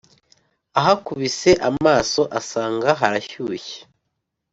ahakubise amaso, asanga harashyushye,